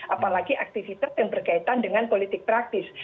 apalagi aktivitas yang berkaitan dengan politik praktis